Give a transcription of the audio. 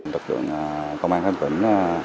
các đối tượng công an huyện khánh vĩnh